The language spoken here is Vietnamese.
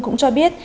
cũng cho biết